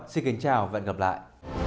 xin kính chào và gặp lại